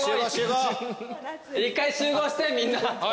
一回集合してみんな。